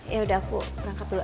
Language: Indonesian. yaudah aku berangkat dulu